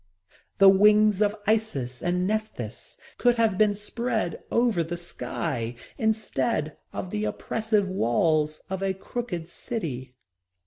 The wings of Isis and Nephthys could have been spread over the sky instead of the oppressive walls of the crooked city.